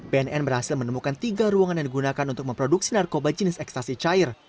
bnn berhasil menemukan tiga ruangan yang digunakan untuk memproduksi narkoba jenis ekstasi cair